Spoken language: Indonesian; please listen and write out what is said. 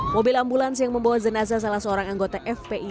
mobil ambulans yang membawa jenazah salah seorang anggota fpi